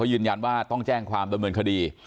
ยืนยันว่าต้องแจ้งความดำเนินคดี